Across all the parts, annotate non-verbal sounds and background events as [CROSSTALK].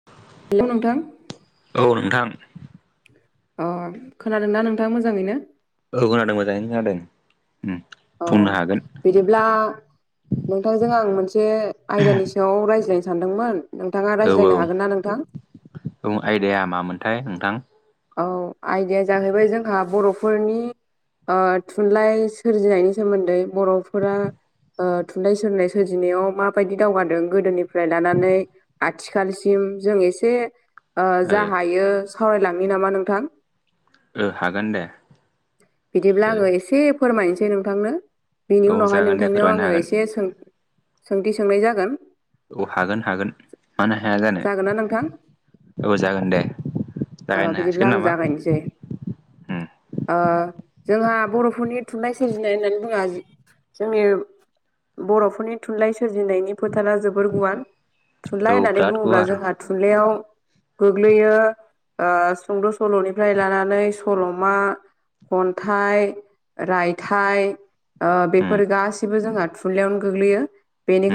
[INAUDIBLE] हेल' नोंथां औ नोंथां अ खोनादों ना नोंथाङा मोजाङैनो औ खोनादों मोजाङैनो जादों उम औ बुंनो हागोन बिदिब्ला नोंथांजों आं मोनसे एसे आयदानि सायाव रायज्लायनो सानदोंमोन नोंथाङा रायज्लायनो हागोन ना नोंथां उम आयदाया मामोनथाय नोंथां? औ आयदाया जाहैबाय जोंहा बर'फोरनि ओ थुनलाइ सोरजिनायनि सोमोन्दै बर'फोरा ओ थुनलाइ सोरनाय सोरजिनायाव माबायदि दावगादों गोदोनिफ्राय लानानै आथिखालसिम जों एसे ओ जा हायो सावरायलांनि नामा नोंथां ओ हागोन दे बिदिब्ला आङो एसेब फोरमायनोसै नोंथांनो बेनि ओ औ उनावहाय जागोन दे नोंथांनियाव फोरमायनो आङो हागोन एसे सों सोंथि सोंनाय जागोन औ हागोन हागोन मानो हाया जानो जागोनना नोंथां औ जागोन दे ओ जागायनो हासिगोन बिदिब्ला आं नामा जागायनोसै उम ओ जोंहा बर'फोरनि थुनलाइ सोरजिनाय होननानै बुङा जो जोंनि बर'फोरनि थुनलाइ सोरजिनायनि फोथारा जोबोर गुवार थुनलाइ औ होननानै बिराद बुङोब्ला गुवार जोंहा थुनलाइयाव गोग्लैयो ओ सुंद' सल'निफ्राय लानानै सल'मा खन्थाइ रायथाइ ओ उम बेफोर गासैबो जोंहा थुनलाइयावनो गोग्लैयो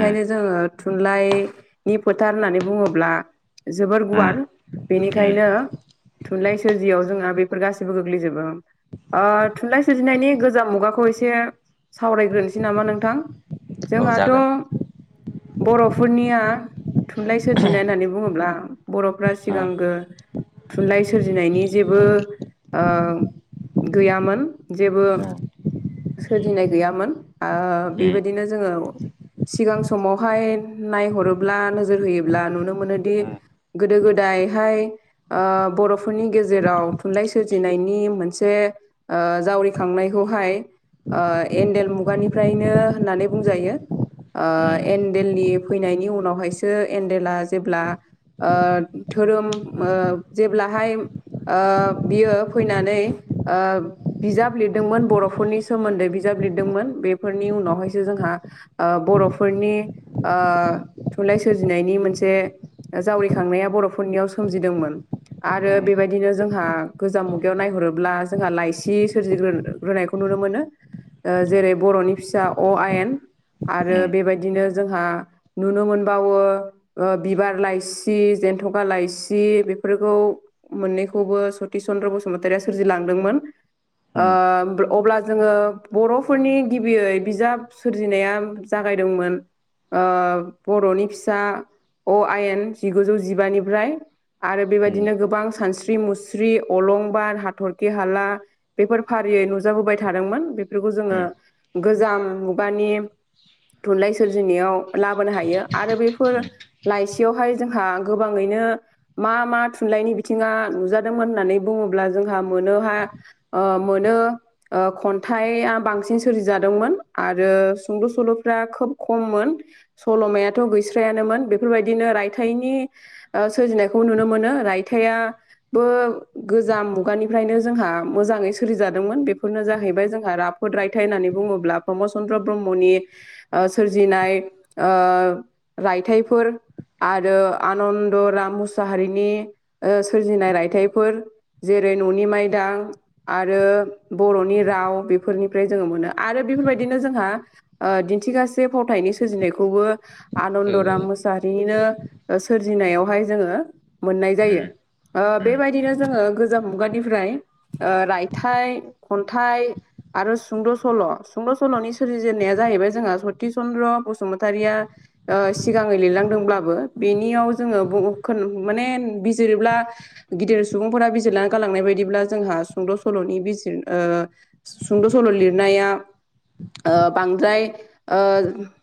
उम जोङो थुनलाइनि फोथार होननानै बुङोब्ला जोबोर उम गुवार उम बेनिखायनो थुनलाइ सोरजियाव जोंहा बेफोर गासिबो गोग्लैजोबो ओ थुनलाइ सोरजिनायनि गोजाम मुगाखौ एसे सावरायग्रोनोसै नामा नोंथां। औ जोंहाथ' जागोन बर'फोरनिया थुनलाइ सोर जिनाय होननानै बुङोब्ला बर'फ्रा उम सिगांगोर थुनलाइ सोरजिनायनि जेबो ओ गैयामोन जेबो उम सोरजिनाय गैयामोन ओ उम बेबायदिनो जोङो सिगां समावहाय नायहरोब्ला नोजोर होयोब्ला नुनो मोनोदि उम गोदो गोदायहाय ओ बर'फोरनि गेजेराव थुनलाइ सोरजिनायनि मोनसे ओ जावरिखांनायखौहाय ओ एनडेल मुगानिफ्रायनो होननानै बुंजायो। ओ उम एनडेलनि फैनायनि उनावहायसो एनडेला जेब्ला ओ धोरोम ओ जेब्लाहाय ओ बियो फैनानै ओ बिजाब लिरदोंमोन बर'फोरनि सोमोन्दै बिजाब लिरदोंमोन बेफोरनि उनावहायसो जोंहा ओ बर'फोरनि ओ थुनलाइ सो सोरजिनायनि मोनसे जावरिखांनाया बर'फोरनियाव सोमजिदोंमोन। आरो उम औ बेबायदिनो जोंहा गोजाम मुगायाव नायहरोब्ला जोंहा लाइसि सोरजिग्रो ग्रोनायखौ नुनो मोनो ओ जेरै बर'नि फिसा अ आयेन आरो बेबायदिनो जोंहा नुनो मोन बावो बिबार लाइसि जेनथखा लाइसि बेफोरखौ। मोननैखौबो सति चन्द्र बसुमतारिया सोरजिलांदोंमोन। अब्ला जोङो बर'फोरनि गिबियै बिजाब सोरजिनाया जागायदोंमोन ओ बर'नि फिसा अ आयेन जिगुजौ जिबानिफ्राय आरो बेबायदिनो गोबां सानस्रि मुस्रि अलंबार हाथरखि हाला बेफोर फारियै नुजाबोबाय थादोंमोन। बेखौ जोङो गोजाम मुगानि थुनलाइ सोरजिनायाव लाबोनो हायो। आरो बेफोर लाइसियावहाय जोंहा गोबाङैनो मा मा थुनलाइनि बिथिङा नुजादोंमोन होननानै बुङोब्ला जोंहा मोनोहा ओ मोनो ओ खन्थाइया बांसिन सोरजिजादोंमोन आरो सुंद' सल'फ्रा खोब खममोन। सल'मायाथ' गैस्रायानोमोन बेफोरबायदिनो रायथाइनि ओ सोरजिनायखौ नुनो मोनो। राय थाया बो गोजाम मुगानिफ्रायनो जोंहा मोजाङै सोलिजादोंमोन बेफोरनो जाहैबाय जोंहा रा रायथाइ होननानै बुङोब्ला प्रमद चन्द्र ब्रह्मनि सोरजिनाय ओ रायथाइफोर आरो आनन्दराम मुसाहारिनि सोरजिनाय रायथाइफोर जेरै न'नि माइदां आरो बर'नि राव बेफोरनिफ्राय जोङो मोनो आरो बेफोरबायदिनो जोंहा ओ दिन्थिगासे फावथायनि सोरजिनायखौबो आनन्दराम उम मोस हारिनो ओ सोरजिनायावहाय जोङो मोननाय जायो। उम ओ बेबायदिनो जोङो गोजाम मुगानिफ्राय ओ रायथाइ खन्थाइ आरो सुंद' सल'। सुंद' सल'नि सोरजिजेननाया जाहैबाय जोंहा सति चन्द्र बसु मतारिया ओ सिगाङै लिरलांदोंब्लाबो बेनियाव जोङो बहुदखोन माने बिजिरोब्ला गिदिर सुबुंफोरा बिजिरना गालांनाय बायदिब्ला जोंहा सुंद' सल'नि बिजिर ओ सुंद' सल' लिरनाया ओ बांद्राय ओ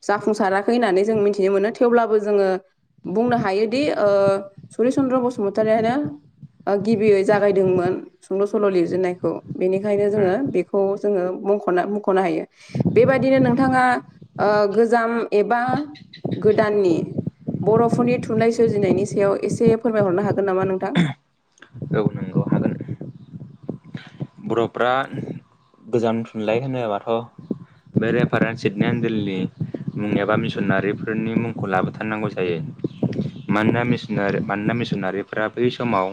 जाफुंसाराखै होननानै जों मिथिनो मोनो थेवब्लाबो जोङो बुंनो हायोदि ओ सरि चन्द्र बसुमतारियानो ओ गिबियै जागायदोंमोन। सुंद' सल' लिरजेननायखौ। बेनिखायनो उम जोङो बेखौ जोङो मख'ना मुख'नो हायो। बेबायदिनो नोंथाङा ओ गोजाम एबा गोदाननि बर'फोरनि थुनलाइ सोरजिनायनि सायाव एसे फोरमायहरनो हागोन नामा नोंथां? औ नंगौ हागोन। बर'फ्रा गोजाम थुनलाइ होनोबाथ' बे रेफारेन्द सिदने एण्डेलनि मुं एबा मिसनारिफोरनि मुंखौ लाबोथारनांगौ जायो। मानोना मिसनारि मानोना मिसिनारिफोरा बै समाव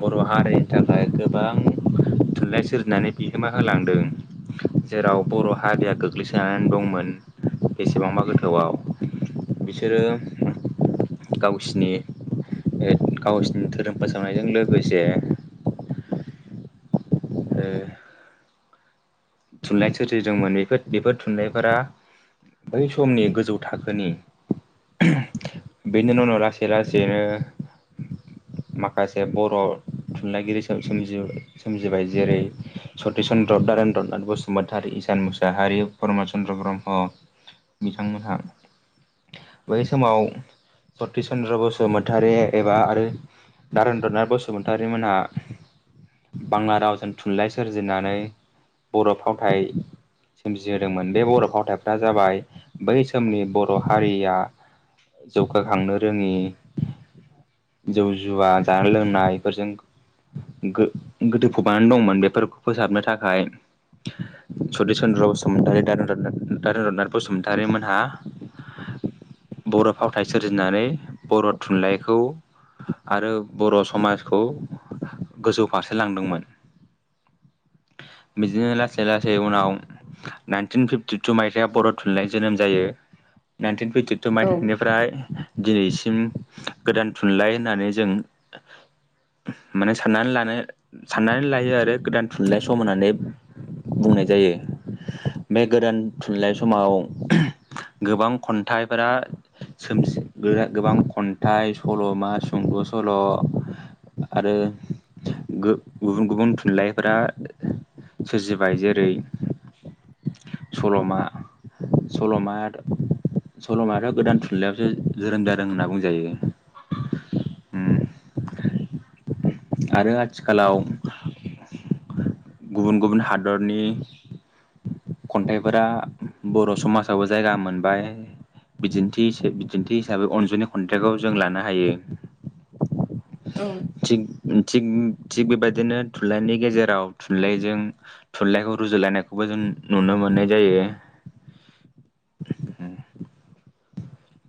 बर' हारिनि थाखाय गोबां थुनलाइ सोरजिनानै बिहोमा होलांदों। जेराव बर' हारिया गोग्लैसोनानै दंमोन बेसेबांबा गोथौआव। बिसोरो गावसिनि ओ गावसिनि धोरोम फोसावनायजों लोगोसे ओ थुनलाइ सोरजिदोंमोन बेफोर बेफोर थुनलाइफोरा बै समनि गोजौ थाखोनि बेनि उनावनो लासै लासैनो माखासे बर' थुनलाइगिरि सोम-सोमजियो। सोमजिबाय जेरै सतिश चन्द्र, दारेन्द्र नाथ बसुमतारी, इसान मुसाहारि, प्रमद चन्द्र ब्रह्म बिथांमोनहा बै समाव सतिश चन्द्र बसुमतारि एबा आरो दारेन्द्रनाथ बसुमतारिमोनहा बांला रावजों थुनलाइ सोरजिनानै बर' फावथाय सोमजिहोदोंमोन। बे बर' फावथायफ्रा जाबाय बै समनि बर' हारिया जौगाखांनो रोङि जौ जुवा जानाय लोंनाय बेफोरजों गो-गोदोफबनानै दंमोन बेफोर फोसाबनो थाखाय। सतिश चन्द्र बसुमतारी, दारेन्द्रनाथ दारेन्द्रनाथ बसुमतारीमोनहा बर फावथाय सोरजिनानै बर थुनलाइखौ आरो बर‌ समाजखौ गोजौ फारसे लांदोंमोन बिदिनो लासै लासै उनाव नाइनटिन फिफ्टिटु मायथाइयाव बर थुनलाइ जोनोम जायो नायटिन फिफटिटु औ मायथाइ‌ निफ्राय फ्राय दिनैसिम गोदान थुनलाइ होननानै जों माने साननानै लानो साननानै लायो आरो गोदान थुनलाइ सम होनानै। बुंनाय जायो। बे गोदान थुनलाइ समाव गोबां खन्थाइफोरा सोम [UNINTELLIGIBLE] गोबां खन्थाइ सल'मा सुंद' सल' आरो गो गुबुन गुबुन थुनलाइफोरा सोरजिबाय जेरै सलमा सल माया सल मायाथ गोदान थुनलाइयावसो जोनोम जादों होनना बुंजायो आरो आथिखालाव गुबुन गुबुन हादरनि खन्थाइफोरा बर समाजावबो जायगा मोनबाय बिदिन्थि बिदिन्थि हिसाबै अनजुनि खन्थाइखौ जों लानो हायो औ थिग थिग थिग बेबायदिनो थुनलाइनि गेजेराव थुनलाइजों थुनलाइखौ रुजुलायनायखौबो जों नुनो मोननाय जायो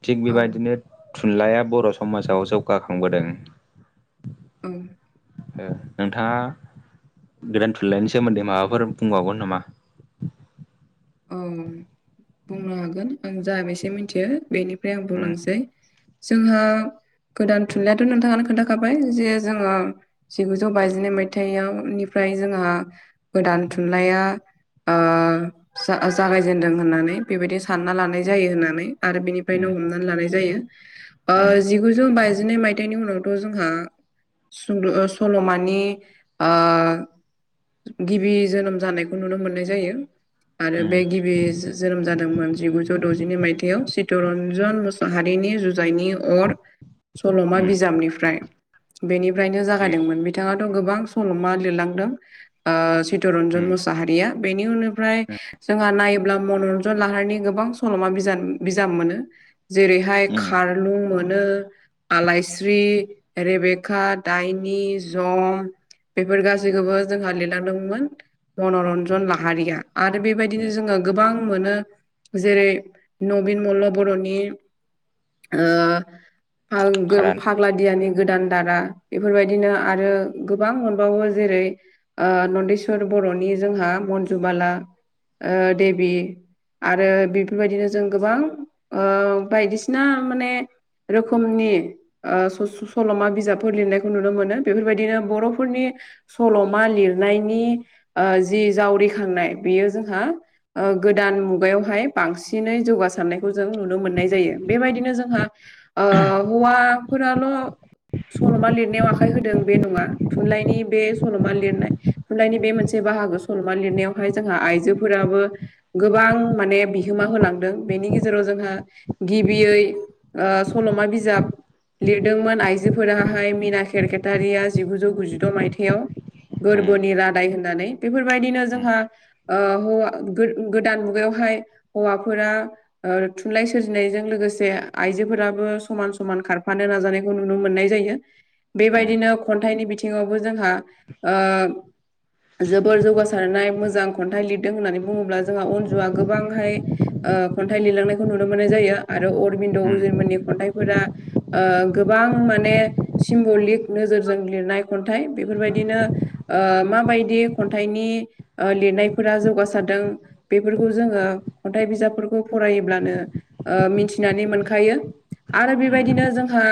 थिग औ बेबायदिनो थुनलाइया बर समाजाव जौगाखांबोदों औ ओ नोंथाङा गोदान थुनलाइनि सोमोन्दै माबाफोर बुंबावगोन नामा? औ बुंनो हागोन आं जा बेसे मिथियो बेनिफ्राय आं उम बुंलांसै जोंहा गोदान थुनलाइाथ नोंथाङानो खोनथा खाबाय जे जोङो जिगुजौ बाजिनै मायथाइयावनिफ्राय जोंहा गोदान थुनलाइया ओ जा जागायजेनदों होननानै बेबायदि सानना लानाय जायो होननानै आरो उम बेनिफ्रायनो हमना लानाय जायो जिगुजौ बाजिनै मायथाइनि उनावथ जोंहा सुंद सल मानि ओ गिबि जोनोम जानायखौ नुनो मोननाय जायो आरो उम बे गिबि जोनोम जादोंमोन जिगुजौ द ज जिनै मायथाइाव चितरन्जन मुसाहारिनि जुजाइनि अर सल मा उम बिजाबनिफ्राय बेनिफ्रायनो उम जागायदोंमोन बिथाङा गोबां सल मा लिरलांदों चितरन्जन मुसाहारिया बेनि उननिफ्राय जोंहा नायोब्ला मन रन्जन लाहारनि गोबां सल मा बिजाब मोनो जेरैहाय उम उम खारलुं मोनो आलायस्रि रेबेका दायनि जम बेफोर गासैखौबो जोंहा लिरलांदोंमोन मन रन्जन लाहारिया आरो बेबायदिनो जोङो गोबां आं मोनो जेरै नबिन मल्ल बर नि आ हादान [UNINTELLIGIBLE] ग्लादियानि गोदान दारा बेफोरबायदिनो आरो गोबां मोनबावो जेरै ओ नन्देस्वर बर नि जोंहा मनजुुबाला ओ देबि आरो उम बिफ बेफोरबायदिनो जों गोबां ओ बायदिसिना माने रोखोमनि आ स-स-सल मा बिजाबफोर लिरनायखौ नुनो मोनो बेफोरबायदिनो बरफोरनि सल मा लिरनायनि ओ जि जावरिखांनाय बेयो जोंहा ओ गोदान मुगायावहाय बांसिनै जौगासारनायखौ जों नुनो मोननाय जायो बेबायदिनो जोंहा ओ हौवाफोराल सल'मा लिरनायाव आखाइ होदों बे नङा थुनलाइनि बे सल'मा लिरनाय थुनलाइनि बे मोनसे बाहागो सल'मा लिरनायावहाय जोंहा आइजोफोराबो गोबां माने बिहोमा होलांदों बेनि गेजेराव जोङो गिबियै ओ सल'मा बिजाब लिरदोंमोन आइजोफोराहाय मिना केेरकेटारिया जिगुजौ गुजिद' मायथाइयाव उम गोरबोनि रादाय होननानै बेफोरबायदिनो उम जोंहा ओ हौवा गोदान मुगायावहाय हौवाफोरा ओ थुनलाइ सोरजिनायजों लोगोसे आइजोफोराबो समान समान खारफानो नाजानाय नुनो मोननाय जायो बेबायदिनो उम खन्थाइनि बिथिङावबो जोंहा जोबोर जौगासारनाय मोजां खन्थाइ लिरदों होननानै बुङोब्ला जोंहा अनजुआ गोबांहाय ओ खन्थाइ लिरलांनायखौ नुनो मोननाय जायो आरो अरबिन्द उम उजयमोननि खन्थाइफोरा गोबां माने सिम्ब'लिक नोजोरजों लिरनाय खन्थाइ बेफोरबायदिनो ओ माबायदि खन्थाइनि लिरनायफोरा जौगासारदों बेफोरखौ जोङो खन्थाइ बिजाबफोरखौ फरायोब्लानो ओ मिथिनानै मोनखायो आरो बेबायदिनो जोंहा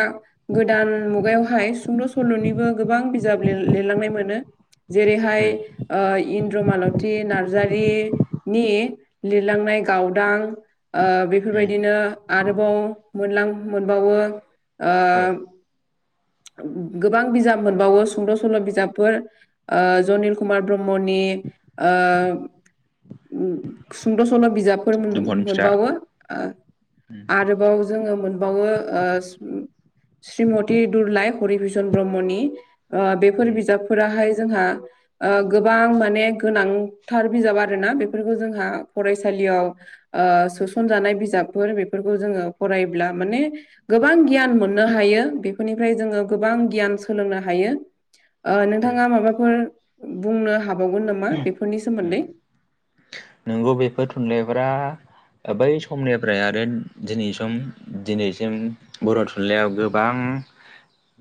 गोदान मुगायावहाय सुंद' सल'निबो गोबां बिजाब लिरलांनाय मोनो जेरैहाय उम ओ इन्द्रमालति नार्जारि नि लिरलांनाय गावदां ओ उम बेफोरबायदिनो आरोबाव मोनलां मोनबावो ओ ए गोबां बिजाब मोनबावो सुंद' सल' बिजाबफोर ओ जनिल कुमार ब्रह्मनि ओ सुंद' सल' बिजाबफोर दुमख'नि फिथा मोनबावो ओ उम आरोबाव जोङो मोनबावो ओ श्रीमति दुरलाइ हरिभुसन ब्रह्मनि ओ बेफोर उम बिजाबफोराहाय जोंहा ओ गोबां माने गोनांथार बिजाब आरोना बेफोरखौ जोंहा फरायसालियाव ओ सोसनजानाय बिजाबफोर बेफोरखौ जोङो फरायोब्ला माने गोबां गियान मोननो हायो बेफोरनिफ्राय जोङो गोबां गियान सोलोंनो हायो ओ उम नोंथाङा माबाफोर बुंनो हाबावगोन नामा बेफोरनि उम सोमोन्दै नोंगौ बेफोर थुनलाइफोरा बै समनिफ्राय आरो दिनै सम दिनैसिम बर' थुनलाइयाव गोबां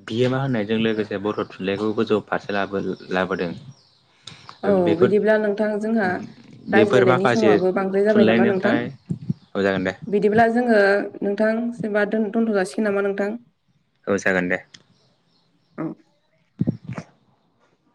बिहोमा होननायजों लोगोसे बर' थुनलाइखौ गोजौ फारसे लाबोहो लाबोदों औ बेफोर बिदिब्ला नोंथां जोंहा बेफोर रायज्लायनायनि माखासे समाबो बांद्राय जाबाय नामा नोंथां थुनलाइनिफ्राय औ जागोन दे बिदिब्ला जोङो नोंथां जेनेबा दोनथ' दोनथ'जासिगोन नामा नोंथां औ जागोन दे औ